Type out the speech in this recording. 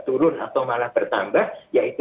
turun atau malah bertambah ya itu